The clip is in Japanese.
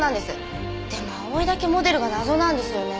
でも葵だけモデルが謎なんですよね。